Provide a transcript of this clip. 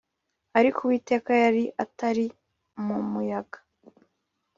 ariko Uwiteka yari atari mu muyaga